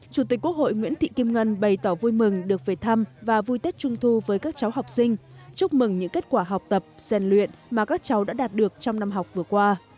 chủ tịch quốc hội nguyễn thị kim ngân bày tỏ vui mừng được về thăm và vui tết trung thu với các cháu học sinh chúc mừng những kết quả học tập giàn luyện mà các cháu đã đạt được trong năm học vừa qua